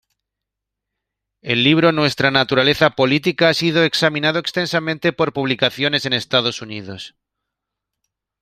El libro "Nuestra naturaleza política" ha sido examinado extensamente por publicaciones en Estados Unidos.